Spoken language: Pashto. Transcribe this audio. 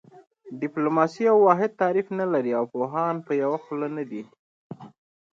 ډیپلوماسي یو واحد تعریف نه لري او پوهان په یوه خوله نه دي